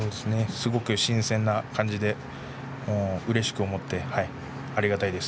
すごく新鮮な感じでうれしく思っています。